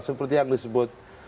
seperti yang disebut